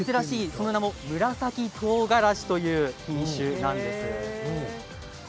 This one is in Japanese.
その名も、紫とうがらしという品種なんです。